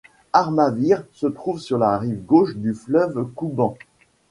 Armavir se trouve sur la rive gauche du fleuve Kouban.